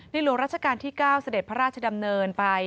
หลวงราชการที่๙เสด็จพระราชดำเนินไป